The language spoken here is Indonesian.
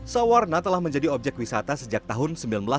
sawarna telah menjadi objek wisata sejak tahun seribu sembilan ratus delapan puluh